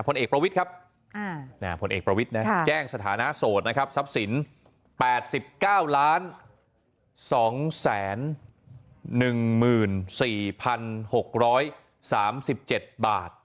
พลเอกประวิทธ์ครับแจ้งสถานะโสดนะครับทรัพย์สิน๘๙๒๑๔๖๓๗บาท